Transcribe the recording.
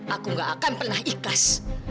aku gak akan pernah ikhlas